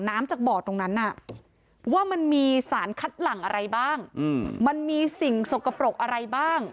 น้ำจากบ่อตรงนั้นน่ะว่ามันมีสารคัดหลังอะไรบ้างมันมีสิ่งสกปรกอะไรบ้าง